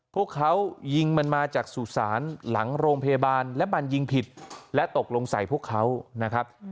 พวกเขายิงมันมาจากสุสานหลังโรงพยาบาลและมันยิงผิดและตกลงใส่พวกเขานะครับ